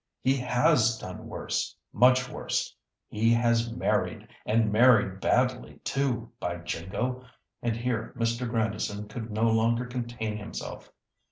"He has done worse, much worse. He has married, and married badly too, by Jingo!" and here Mr. Grandison could no longer contain himself.